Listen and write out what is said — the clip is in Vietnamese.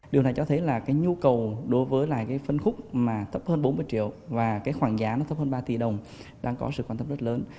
điều này cho thấy là cái nhu cầu đối với lại cái phân khúc mà thấp hơn bốn mươi triệu và cái khoảng giá nó thấp hơn ba tỷ đồng đang có sự quan tâm rất lớn